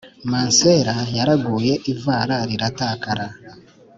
Mansera yaraguye ivara riratakara